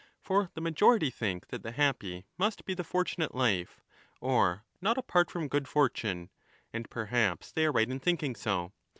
For the majority think that the happy must be the fortunate life, or not apart from good fortune, and perhaps they are right in thinking so.